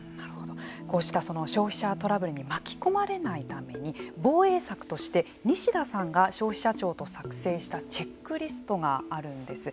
こうした消費者トラブルに巻き込まれないために防衛策として西田さんが消費者庁と作成したチェックリストがあるんです。